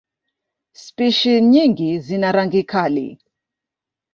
Spishi nyingi zina rangi kali.